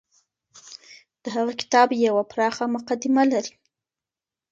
د هغه کتاب يوه پراخه مقدمه لري.